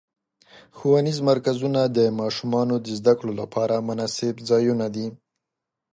ښوونیز مرکزونه د ماشومانو د زدهکړو لپاره مناسب ځایونه دي.